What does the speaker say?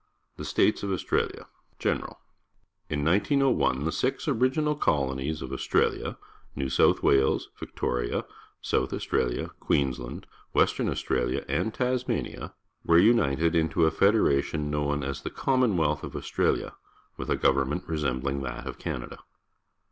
THE STATES OF AUSTRALIA General. — In 1901 the six original col onies of Australia — A'ew Sauth ir(;/r.\, I'/c tori a, So uth Australia, Queen.skuid, Wc.^lmi Australia,^ and Tas»}ania — were united into a federation known as the Commonwealth of Australia, with a government resembUng that of Canada.